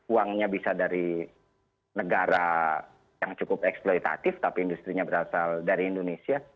uangnya bisa dari negara yang cukup eksploitatif tapi industri nya berasal dari indonesia